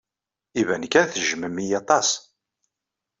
Iban kan tejjmem-iyi aṭas.